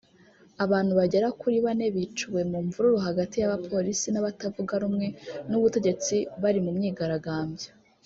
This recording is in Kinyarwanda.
Abantu bagera kuri bane biciwe mu mvururu hagati y’abapolisi n’abatavuga rumwe n’ubutegetsi bari mu myigaragambyo